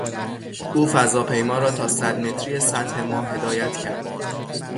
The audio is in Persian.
او فضاپیما را تا صدمتری سطح ماه هدایت کرد.